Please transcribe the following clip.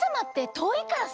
とおいからさ。